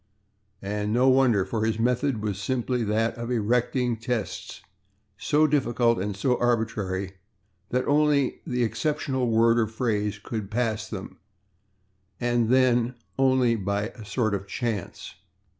And no wonder, for his method was simply that of erecting tests so difficult and so arbitrary that only the exceptional word or phrase could pass them, and then only by a sort of chance.